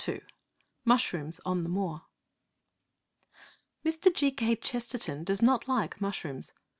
II MUSHROOMS ON THE MOOR Mr. G. K. Chesterton does not like mushrooms.